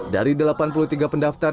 dari delapan puluh tiga pendaftar